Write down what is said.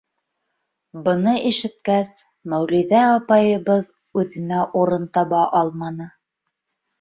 Быны ишеткәс, Мәүлиҙә апайыбыҙ үҙенә урын таба алманы.